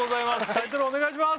タイトルお願いします